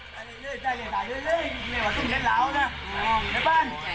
ผู้ชายที่ก่อเหตุชื่อว่าในบาสค่ะอายุ๒๓ปี